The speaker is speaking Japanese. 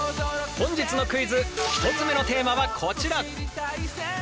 本日のクイズ１つ目のテーマはこちら。